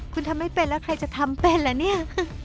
คุณทำไม่เป็นแล้วใครจะทำเป็นละเนี่ย